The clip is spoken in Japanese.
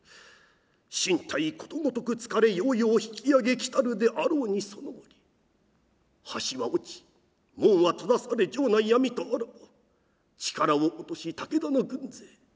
身体ことごとく疲れようよう引き揚げきたるであろうにそのみぎり橋は落ち門は閉ざされ城内闇とあらば力を落とし武田の軍勢に討ち取られるほか